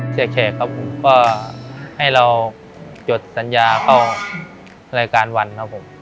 แขกครับผมก็ให้เราจดสัญญาเข้ารายการวันครับผม